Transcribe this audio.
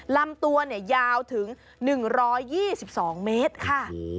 ลำตัวยาวถึง๑๒๒เมตรค่ะ